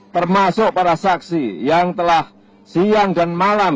termasuk para saksi yang telah siang dan malam